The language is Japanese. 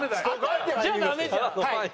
じゃあダメじゃん！